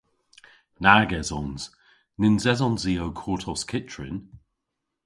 Nag esons. Nyns esons i ow kortos kyttrin.